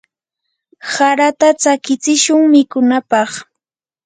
harata tsakichishun mikunapaq.